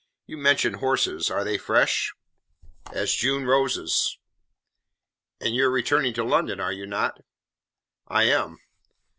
"You mentioned horses. Are they fresh?" "As June roses." "And you are returning to London, are you not?" "I am."